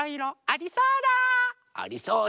ありそうだ。